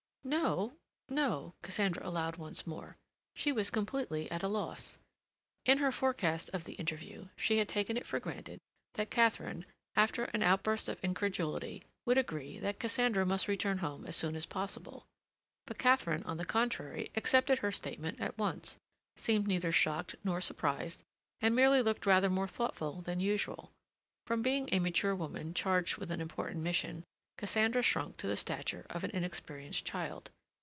"No," Cassandra allowed once more. She was completely at a loss. In her forecast of the interview she had taken it for granted that Katharine, after an outburst of incredulity, would agree that Cassandra must return home as soon as possible. But Katharine, on the contrary, accepted her statement at once, seemed neither shocked nor surprised, and merely looked rather more thoughtful than usual. From being a mature woman charged with an important mission, Cassandra shrunk to the stature of an inexperienced child.